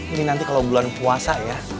ini nanti kalau bulan puasa ya